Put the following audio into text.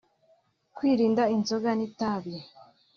kwirinda inzoga n’itabi